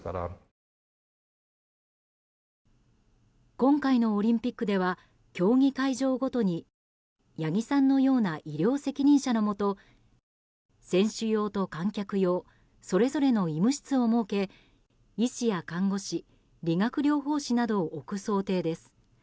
今回のオリンピックでは競技会場ごとに八木さんのような医療責任者のもと選手用と観客用それぞれの医務室を設け医師や看護師理学療法士などを置く想定です。